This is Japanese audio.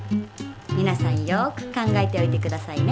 みなさんよく考えておいてくださいね。